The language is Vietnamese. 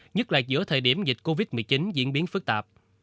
nhất là giữa thời điểm dịch covid một mươi chín diễn biến phức tạp